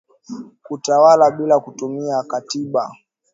Kutawala bila kutumia katiba